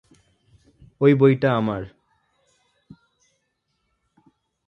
ওই বইটা আমার।